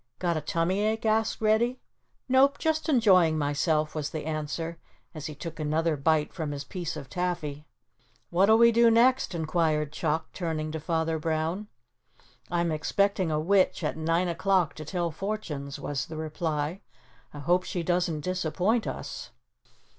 "Got a tummy ache?" asked Reddy. "Nope, just enjoying myself," was the answer as he took another bite from his piece of taffy. "What'll we do next?" inquired Chuck, turning to Father Brown. "I'm expecting a witch at nine o'clock to tell fortunes," was the reply. "I hope she doesn't disappoint us."